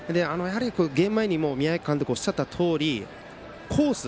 ゲーム前に宮秋監督がおっしゃったとおり、コース